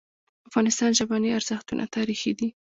د افغانستان ژبني ارزښتونه تاریخي دي.